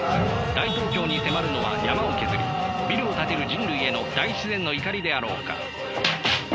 大東京に迫るのは山を削りビルを建てる人類への大自然の怒りであろうか。